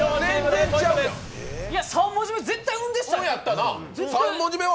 ３文字目、絶対運でしたね。